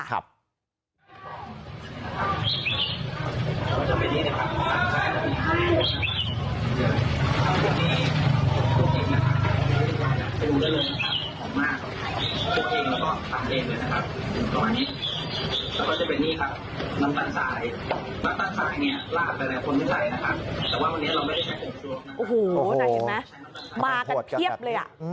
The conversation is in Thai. อันนี้เราไม่ได้ใช้๖ตัวโอ้โหนายเห็นไหมมากันเพียบเลย